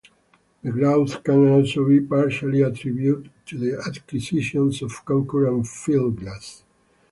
The growth can also be partially attributed to the acquisitions of Concur and Fieldglass.